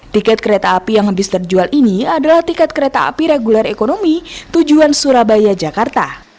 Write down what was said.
tiket kereta api yang habis terjual ini adalah tiket kereta api reguler ekonomi tujuan surabaya jakarta